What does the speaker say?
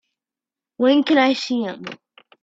When can I see him?